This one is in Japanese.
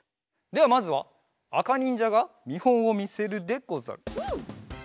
ではまずはあかにんじゃがみほんをみせるでござる。